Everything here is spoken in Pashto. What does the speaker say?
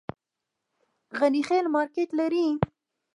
غني خیل مارکیټ لري؟